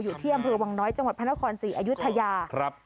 อยู่ที่อำเภอวังน้อยจังหวัดพระนครศรีอยุธยาครับ